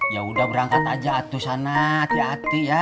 ya udah berangkat aja atu sana hati hati ya